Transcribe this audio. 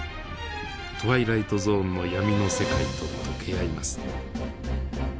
トワイライトゾーンの闇の世界と溶け合います。